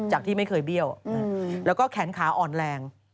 ที่ไม่เคยเบี้ยวแล้วก็แขนขาอ่อนแรง